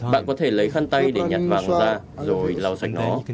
bạn có thể lấy khăn tay để nhặt vàng ra rồi lau sạch nó